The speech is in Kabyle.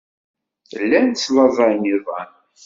Llan slaẓayen iḍan.